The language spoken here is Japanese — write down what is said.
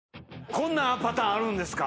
こんなパターンあるんですか。